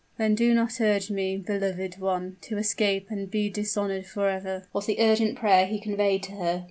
"Then do not urge me, beloved one, to escape and be dishonored forever," was the urgent prayer he conveyed to her.